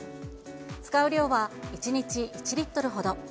使う量は１日１リットルほど。